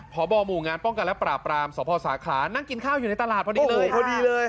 พบหมู่งานป้องกันและปราบรามสพสาขานั่งกินข้าวอยู่ในตลาดพอดีเลยพอดีเลย